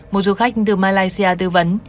một du khách từ malaysia tư vấn